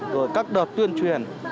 rồi các đợt tuyên truyền